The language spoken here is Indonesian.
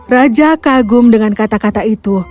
raja kagum dengan kisah itu